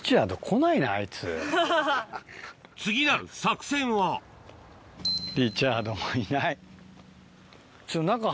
次なる作戦はリチャードもいない。